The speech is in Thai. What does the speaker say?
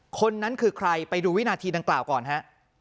คนนั้นคือใครไปดูวินาทีดังกล่าวก่อนฮะ